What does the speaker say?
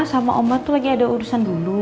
sama oma tuh lagi ada urusan dulu